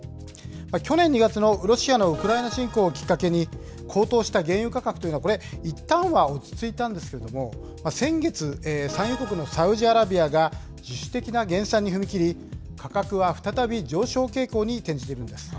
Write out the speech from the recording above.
去年２月のロシアのウクライナ侵攻をきっかけに、高騰した原油価格、これ、いったんは落ち着いたんですけれども、先月、産油国のサウジアラビアが自主的な減産に踏み切り、価格は再び上昇傾向に転じているんです。